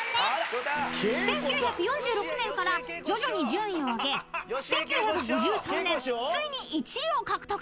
［１９４６年から徐々に順位を上げ１９５３年ついに１位を獲得］